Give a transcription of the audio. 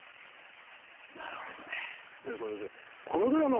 なるほどね。ということでこのドラマ